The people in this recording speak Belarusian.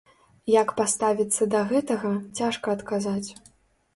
Як паставіцца да гэтага, цяжка адказаць.